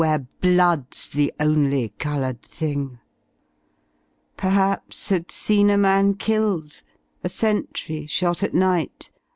Where blood^s the only coloured thing. Perhaps Had seen a man killed, a sentry shot at night.